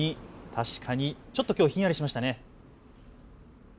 確かに、ちょっと、きょうひんやりしましたね。